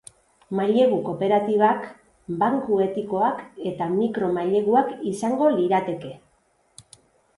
Mailegu kooperatibak, banku etikoak eta mikro maileguak izango lirateke.